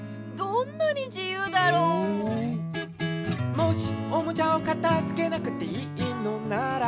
「もしおもちゃをかたづけなくていいのなら」